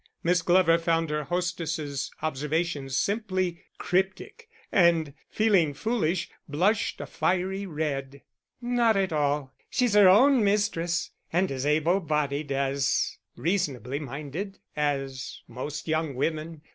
Miss Glover found her hostess's observations simply cryptic, and, feeling foolish, blushed a fiery red. "Not at all; she's her own mistress, and as able bodied and as reasonably minded as most young women.